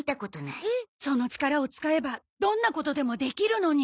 その力を使えばどんなことでもできるのに。